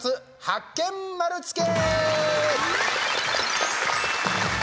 ハッケン丸つけ。